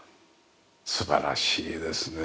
素晴らしいですね。